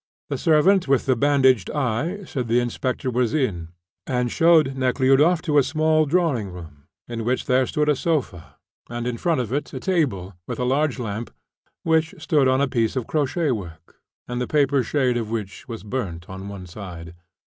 The servant with the bandaged eye said the inspector was in, and showed Nekhludoff to a small drawing room, in which there stood a sofa and, in front of it, a table, with a large lamp, which stood on a piece of crochet work, and the paper shade of which was burnt on one side.